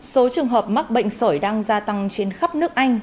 số trường hợp mắc bệnh sởi đang gia tăng trên khắp nước anh